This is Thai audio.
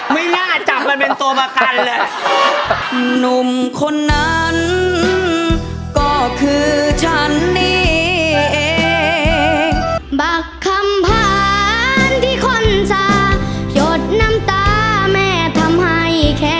ไม่ง่าจับมันเป็นตัวประกันเลย